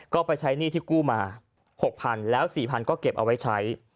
ก็ไปใช้หนี้ที่กู้มา๖๐๐๐แล้ว๔๐๐ก็เก็บเอาไว้ใช้